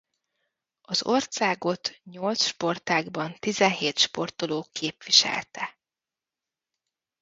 Az országot nyolc sportágban tizenhét sportoló képviselte.